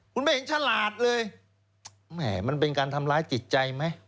คุณไม่เห็นฉลาดเลยแหมมันเป็นการทำร้ายจิตใจไหม